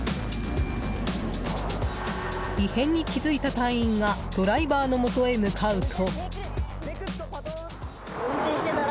異変に気づいた隊員がドライバーのもとへ向かうと。